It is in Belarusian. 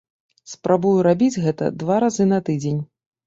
Спрабую рабіць гэта два разы на тыдзень.